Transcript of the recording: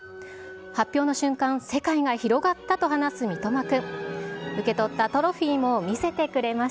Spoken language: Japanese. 発表の瞬間、世界が広がったと話す三苫君。